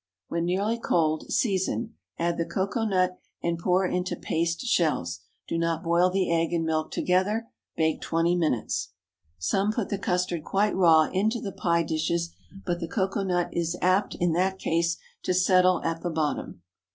When nearly cold, season; add the cocoa nut, and pour into paste shells. Do not boil the egg and milk together. Bake twenty minutes. Some put the custard quite raw into the pie dishes, but the cocoa nut is apt, in that case, to settle at the bottom.